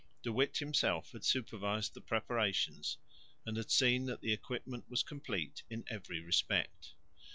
De Witt himself had supervised the preparations and had seen that the equipment was complete in every respect.